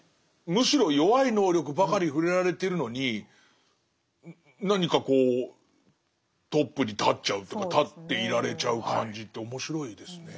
むしろ弱い能力ばかり触れられてるのに何かこうトップに立っちゃうというか立っていられちゃう感じって面白いですね。